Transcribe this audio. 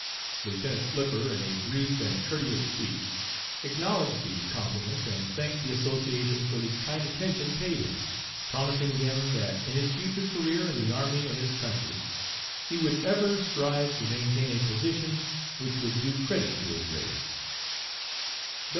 "Lieutenant Flipper, in a brief and courteous speech, acknowledged the compliment, and thanked the association for the kind attention paid him, promising them that in his future career in the army of his country he would ever strive to maintain a position which would do credit to his race.